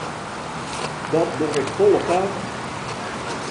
Dat doch ik folle faker.